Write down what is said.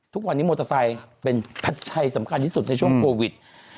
ทุกวันนี้มอเตอร์ไซค์เป็นปัจจัยสำคัญที่สุดในช่วงโควิด